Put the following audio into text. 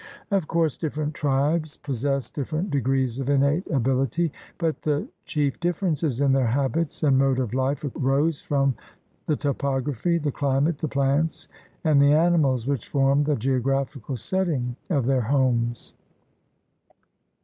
Of course different tribes possessed different degrees of innate ability, but the chief differences in their habits and mode of life arose from the topography, the climate, the plants, and the animals which formed the geographical setting of their homes.